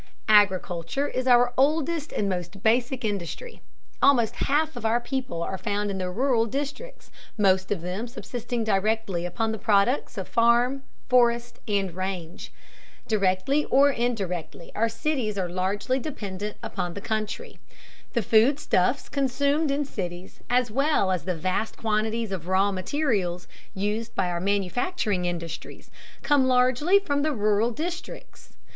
Agriculture is our oldest and most basic industry. Almost half of our people are found in the rural districts, most of them subsisting directly upon the products of farm, forest, and range. Directly or indirectly our cities are largely dependent upon the country. The foodstuffs consumed in cities, as well as the vast quantities of raw materials used by our manufacturing industries, come largely from the rural districts.